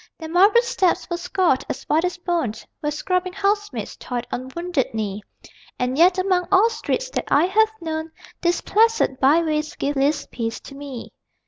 Their marble steps were scoured as white as bone Where scrubbing housemaids toiled on wounded knee And yet, among all streets that I have known These placid byways give least peace to me.